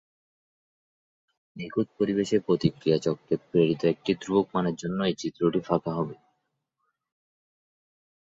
নিখুঁত পরিবেশে প্রতিক্রিয়া চক্রে প্রেরিত একটি ধ্রুবক মানের জন্য এই চিত্রটি ফাঁকা হবে।